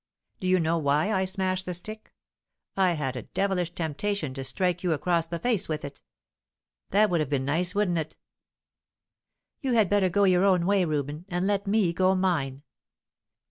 Do you know why I smashed the stick? I had a devilish temptation to strike you across the face with it. That would have been nice, wouldn't it?" "You had better go your own way, Reuben, and let me go mine."